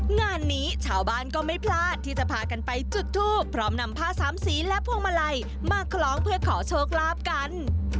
งานนี้ชาวบ้านก็ไม่พลาดที่จะพากันไปจุดทูปพร้อมนำผ้าสามสีและพวงมาลัยมาคล้องเพื่อขอโชคลาภกัน